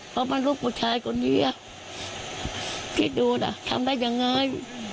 เพราะมันลูกผู้ชายคนนี้คิดดูนะทำได้ยังไง